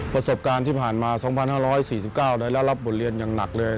ประสบการณ์ที่ผ่านมา๒๕๔๙ได้รับบทเรียนอย่างหนักเลย